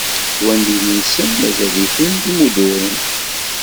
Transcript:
Lwaldin-nsen mazal-iten d imudduren.